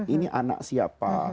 ini anak siapa